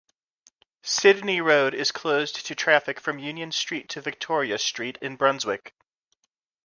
Sydney Road is closed to traffic from Union Street to Victoria Street in Brunswick.